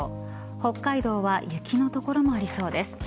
北海道は雪の所もありそうです。